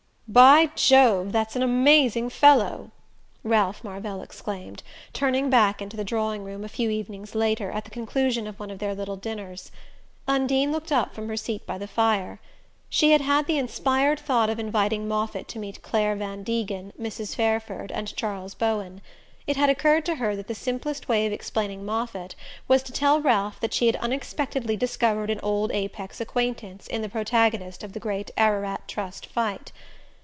"By Jove, that's an amazing fellow!" Ralph Marvell exclaimed, turning back into the drawing room, a few evenings later, at the conclusion of one of their little dinners. Undine looked up from her seat by the fire. She had had the inspired thought of inviting Moffatt to meet Clare Van Degen, Mrs. Fairford and Charles Bowen. It had occurred to her that the simplest way of explaining Moffatt was to tell Ralph that she had unexpectedly discovered an old Apex acquaintance in the protagonist of the great Ararat Trust fight.